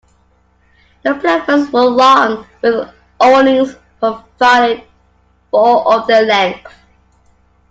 The platforms were long, with awnings provided for of their length.